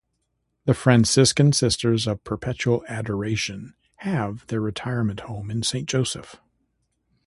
The Franciscan Sisters of Perpetual Adoration have their retirement home in Saint Joseph.